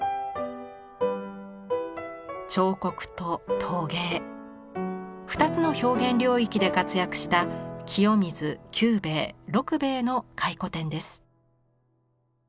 彫刻と陶芸２つの表現領域で活躍した清水九兵衞六兵衞の回顧展です。